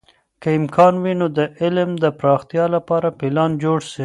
که امکان وي، نو د علم د پراختیا لپاره پلان جوړ سي.